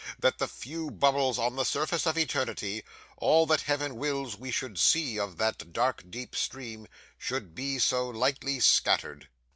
that the few bubbles on the surface of eternity all that Heaven wills we should see of that dark deep stream should be so lightly scattered!"